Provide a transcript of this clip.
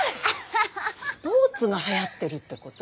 スポーツがはやってるってこと？